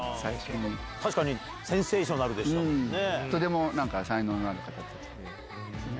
確かにセンセーショナルでしとても才能のある方たちで。